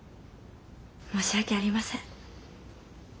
申し訳ありません。